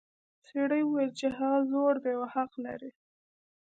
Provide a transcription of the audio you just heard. سړي وویل چې هغه زوړ دی او حق لري.